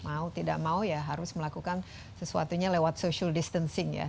mau tidak mau ya harus melakukan sesuatunya lewat social distancing ya